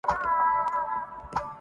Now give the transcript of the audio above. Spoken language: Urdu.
ہم شیش محل والوں سے کیونکر محبت کر بیتھے